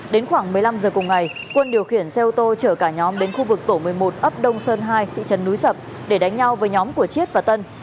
đến khoảng một mươi năm giờ cùng ngày quân điều khiển xe ô tô chở cả nhóm đến khu vực tổ một mươi một ấp đông sơn hai thị trấn núi sập để đánh nhau với nhóm của chiết và tân